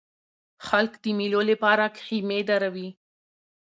خلک د مېلو له پاره خیمې دروي.